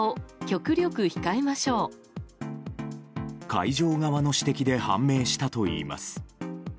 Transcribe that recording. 会場側の指摘で判明したといいます。